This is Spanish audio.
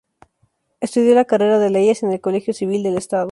Estudió la carrera de leyes en el Colegio Civil del Estado.